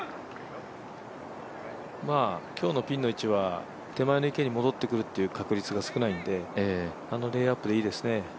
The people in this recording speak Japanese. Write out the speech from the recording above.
今日のピンの位置は手前の池に戻ってくるという確率が少ないんであのレイアップでいいですね。